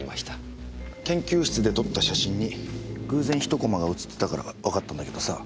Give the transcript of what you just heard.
研究室で撮った写真に偶然１コマが写ってたからわかったんだけどさ